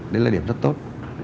đấy là điểm rất tốt